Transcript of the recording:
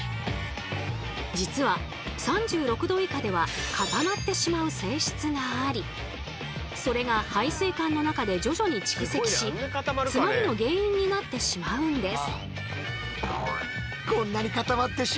実は３６℃以下では固まってしまう性質がありそれが排水管の中で徐々に蓄積し詰まりの原因になってしまうんです。